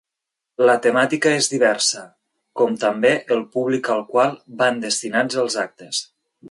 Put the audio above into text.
La temàtica és diversa, com també el públic al qual van destinats els actes.